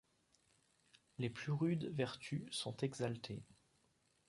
Les plus rudes vertus sont exaltées.